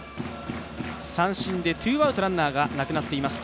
三振でツーアウトランナーがなくなっています。